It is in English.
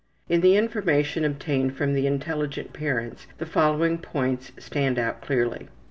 In the information obtained from the intelligent parents the following points stand out clearly.